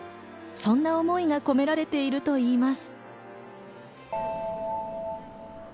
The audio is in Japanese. そんな思いが込められているといいます。